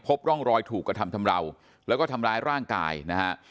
พบร่องรอยถูกกระทำชำราวแล้วก็ทำร้ายร่างกายนะฮะ